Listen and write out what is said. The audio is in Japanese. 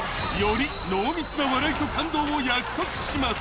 より濃密な笑いと感動を約束します。